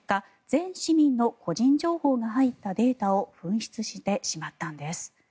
全市民の個人情報が入ったデータを紛失してしまったんです。